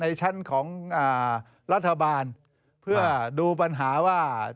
ชั้นของรัฐบาลเพื่อดูปัญหาว่า